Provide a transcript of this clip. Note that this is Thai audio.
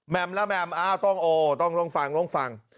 แม่มล่ะแม่มต้องโอ้ต้องลงฟังลงฟัง